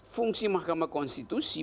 fungsi mahkamah konstitusi